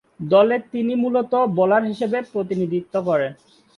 দলে তিনি মূলতঃ বোলার হিসেবে প্রতিনিধিত্ব করেন।